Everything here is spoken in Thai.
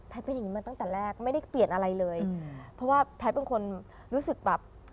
เป็นอย่างนี้มาตั้งแต่แรกไม่ได้เปลี่ยนอะไรเลยเพราะว่าแพทย์เป็นคนรู้สึกแบบ